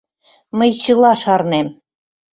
Мый чыла шарнем!..